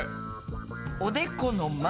おでこの前！